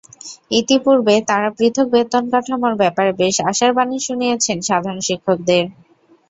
ইতিপূর্বে তাঁরা পৃথক বেতনকাঠামোর ব্যাপারে বেশ আশার বাণী শুনিয়েছেন সাধারণ শিক্ষকদের।